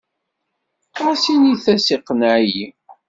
Ɣas in-as iqenneɛ-iyi.